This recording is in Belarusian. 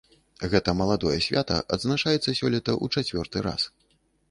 Гэта маладое свята адзначаецца сёлета ў чацвёрты раз.